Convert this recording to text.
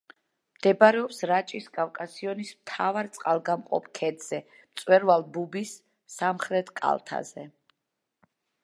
მდებარეობს რაჭის კავკასიონის მთავარ წყალგამყოფ ქედზე, მწვერვალ ბუბის სამხრეთ კალთაზე.